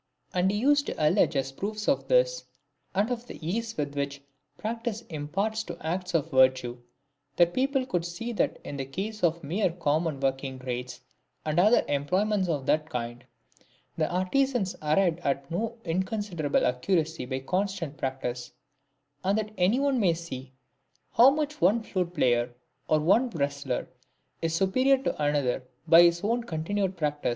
And he used to allege as proofs of this, and of the ease which practice imparts to acts of virtue, that people could see that in the case of mere common working trades, and other employments of that kind, the artisans arrived at no incon siderable accuracy by constant practice; and that any one may see how much one flute player, or one wrestler, is superior to another, by his own continued practice.